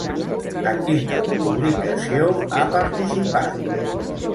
A quina publicació ha participat?